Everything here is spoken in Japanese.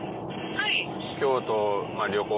はい。